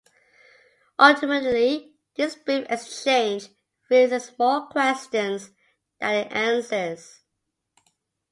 Ultimately, this brief exchange raises more questions than it answers.